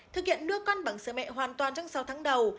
thực hiện nuôi con bằng sữa mẹ hoàn toàn trong sáu tháng đầu